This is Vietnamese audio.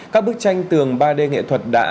các bức tranh tường ba d nghệ thuật đã